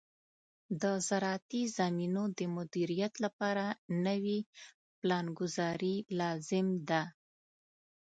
د زراعتي زمینو د مدیریت لپاره نوې پلانګذاري لازم ده.